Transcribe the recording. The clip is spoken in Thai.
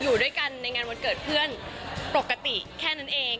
อยู่ด้วยกันในงานวันเกิดเพื่อนปกติแค่นั้นเอง